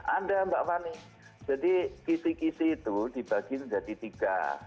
anda mbak fani jadi kisi kisi itu dibagiin jadi tiga